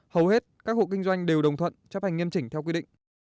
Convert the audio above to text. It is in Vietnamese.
hầu hết các hộ kinh doanh đều đồng thuận chấp hành nghiêm chỉnh theo quy định